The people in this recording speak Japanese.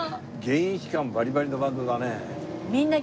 現役感バリバリのバンドだね。